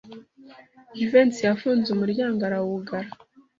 Jivency yafunze umuryango arawugara.